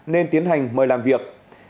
nên tiến hành mời làm việc